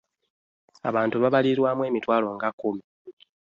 Abantu babalirirwamu emitwalo nga kkumi.